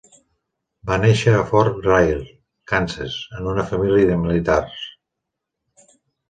Va néixer a Fort Riley, Kansas, en una família de militars.